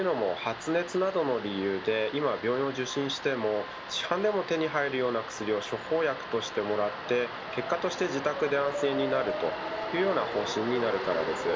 というのも、発熱などの理由で今、病院を受診しても市販でも手に入るような薬を処方薬としてもらって結果として自宅で安静になるというような方針になるからです。